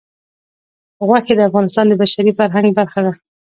غوښې د افغانستان د بشري فرهنګ برخه ده.